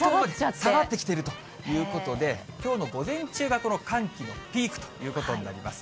下がってきているということで、きょうの午前中がこの寒気のピークということになります。